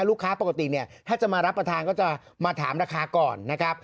ลูกค้าปกติเนี่ยถ้าจะมารับประทานก็จะมาถามราคาก่อนนะครับ